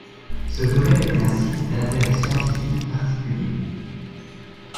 Ce domaine est un site d'intérêt scientifique particulier.